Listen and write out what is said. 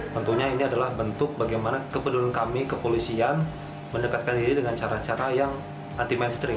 tentunya ini adalah bentuk bagaimana kependudukan kami kepolisian mendekatkan diri dengan cara cara yang anti mainstream